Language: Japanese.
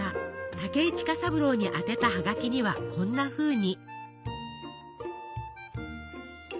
武井近三郎に宛てたハガキにはこんなふうに。